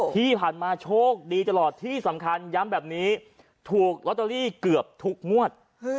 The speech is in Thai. ที่ผ่านมาโชคดีตลอดที่สำคัญย้ำแบบนี้ถูกลอตเตอรี่เกือบทุกงวด